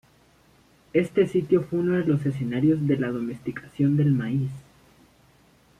Este sitio fue uno de los escenarios de la domesticación del maíz.